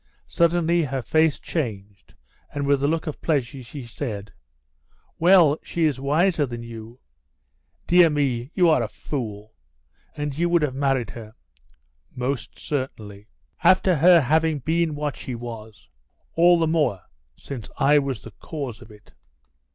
Suddenly her face changed, and with a look of pleasure she said: "Well, she is wiser than you. Dear me, you are a fool. And you would have married her?" "Most certainly." "After her having been what she was?" "All the more, since I was the cause of it."